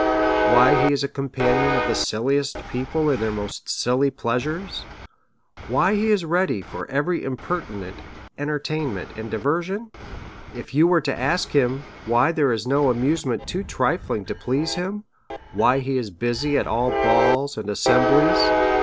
why he is a compa nion of the silliest people in their most silly pleasures ? why he is ready for every impertinent entertainment and diversion ? If you were to ask him why there is no amusement too trifling to please him? why he is busy at all balls and assemblies?